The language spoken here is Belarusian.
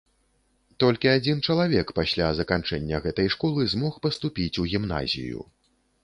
Толькі адзін чалавек пасля заканчэння гэтай школы змог паступіць у гімназію.